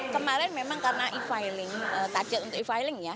kemarin memang karena e filing target untuk e filing ya